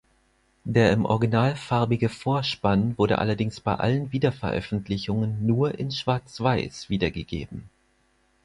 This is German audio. Der im Original farbige Vorspann wurde allerdings bei allen Wiederveröffentlichungen nur in Schwarzweiß wiedergegeben.